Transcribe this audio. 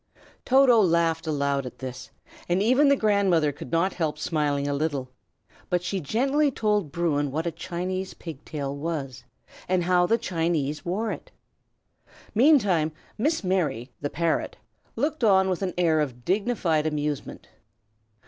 Toto laughed aloud at this, and even the grandmother could not help smiling a very little; but she gently told Bruin what a Chinaman's pig tail was, and how he wore it. Meantime, Miss Mary, the parrot, looked on with an air of dignified amusement.